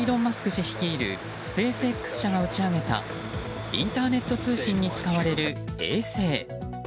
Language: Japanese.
氏率いるスペースＸ社が打ち上げたインターネット通信に使われる衛星。